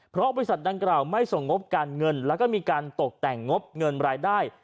เพราะบริษัทดังกล่าวไม่ส่งงบการเงินแล้วก็มีการตกแต่งงบเงินรายได้